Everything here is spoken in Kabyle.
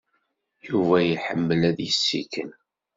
Yuba iḥemmel ad yessikel.